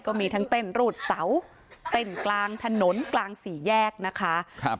ก็มีทั้งเต้นรูดเสาเต้นกลางถนนกลางสี่แยกนะคะครับ